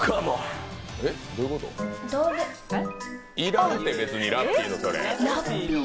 いらんて、ラッピーのそれ。